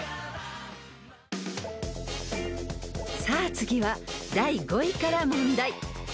［さあ次は第５位から問題］